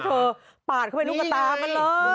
โอ้เผอปาดเข้าไปลูกกระตามันเลย